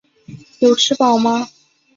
有吃饱吗？